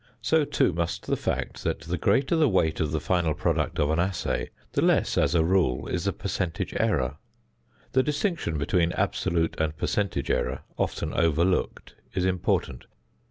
So, too, must the fact that the greater the weight of the final product of an assay, the less, as a rule, is the percentage error. The distinction between absolute and percentage error, often overlooked, is important.